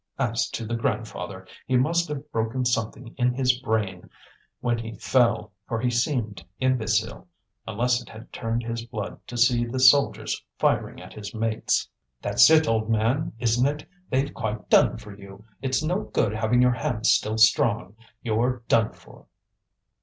As to the grandfather, he must have broken something in his brain when he fell, for he seemed imbecile; unless it had turned his blood to see the soldiers firing at his mates. "That's it, old man, isn't it? They've quite done for you. It's no good having your hands still strong; you're done for."